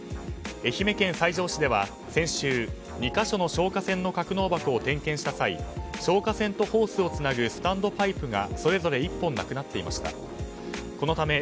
愛媛県西条市では先週２か所の消火栓の格納箱を点検した際消火栓とホースをつなぐスタンドパイプがそれぞれ１本亡くなっていました。